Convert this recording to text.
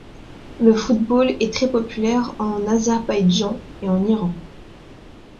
Le football est très populaire en Azerbaïdjan et en Iran.